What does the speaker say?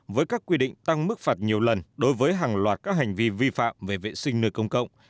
với các quy định tăng mức phạt nhiều lần đối với hàng loạt các hành vi vi phạm về vệ sinh nơi công cộng